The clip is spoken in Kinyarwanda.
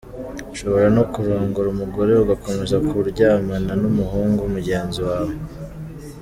Ushobora no kurongora umugore ugakomeza kuryamana n’umuhungu mugenzi wawe.